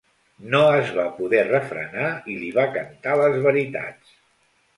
No es va poder refrenar i li va cantar les veritats.